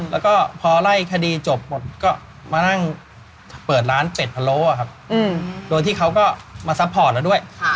แล้วก็พอไล่คดีจบหมดก็มานั่งเปิดร้านเป็ดพะโลครับโดยที่เขาก็มาซัพพอร์ตแล้วด้วย